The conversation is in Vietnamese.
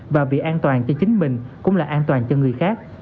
và vì an toàn cho chính mình cũng là an toàn cho người khác